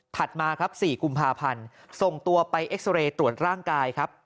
มาครับ๔กุมภาพันธ์ส่งตัวไปเอ็กซอเรย์ตรวจร่างกายครับ